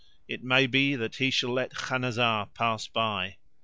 It may be that he shall let Khanazar pass by."